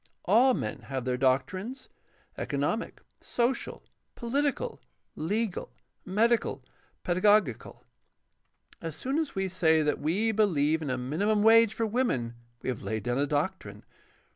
All men have their doctrines — ^economic, social, political, legal, medical, pedagogical. As soon as we say that we believe in a minimum wage for women we have laid down a doctrine.